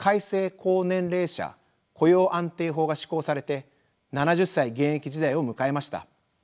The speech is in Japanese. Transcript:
高年齢者雇用安定法が施行されて７０歳現役時代を迎えました。